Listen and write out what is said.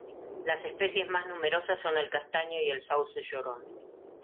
Las especies más numerosas son el castaño y el sauce llorón.